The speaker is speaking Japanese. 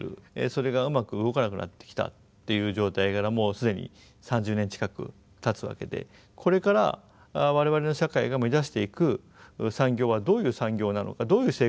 それがうまく動かなくなってきたっていう状態からもう既に３０年近くたつわけでこれから我々の社会が目指していく産業はどういう産業なのかどういう生活なのかと。